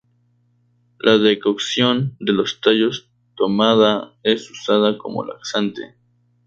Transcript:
La decocción de los tallos tomada es usada como laxante.